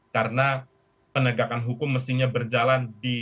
karena penegakan hukum mestinya berjalan di relasi